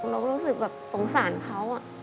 เราก็รู้สึกตรงสารเขา